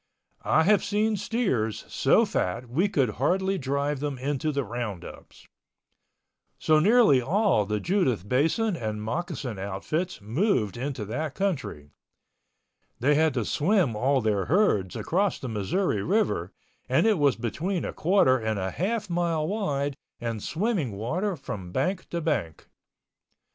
I have seen steers so fat we could hardly drive them into the roundups. So nearly all the Judith Basin and Moccasin outfits moved into that country. They had to swim all their herds across the Missouri River and it was between a quarter and a half mile wide and swimming water from bank to bank.